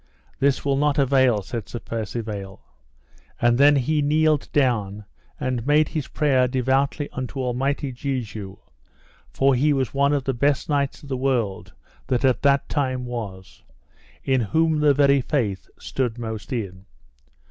This will not avail, said Sir Percivale. And then he kneeled down and made his prayer devoutly unto Almighty Jesu, for he was one of the best knights of the world that at that time was, in whom the very faith stood most in.